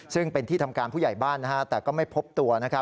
ซึ่งเป็นที่ทำการผู้ใหญ่บ้านแต่ก็ไม่พบตัว